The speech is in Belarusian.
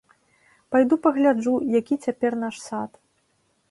Пайду пагляджу, які цяпер наш сад.